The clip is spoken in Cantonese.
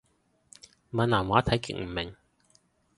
閩南話睇極唔明